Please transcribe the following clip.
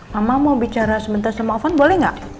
mama mau bicara sebentar sama ovan boleh nggak